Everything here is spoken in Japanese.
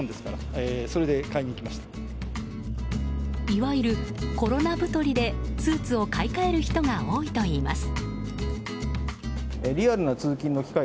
いわゆるコロナ太りでスーツを買い替える人が多いといいます。